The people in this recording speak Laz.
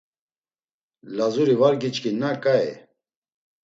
Lazuri var giçkinna ǩai.